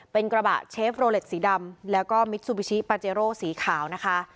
เป็นกระบะเชฟโรเล็ตสีดำแล้วก็มิซูบิชิปาเจโรสีขาวนะคะ